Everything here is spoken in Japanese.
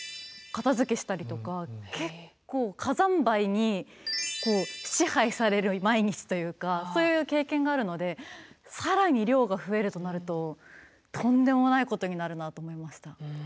結構火山灰に支配される毎日というかそういう経験があるので更に量が増えるとなるととんでもないことになるなと思いました。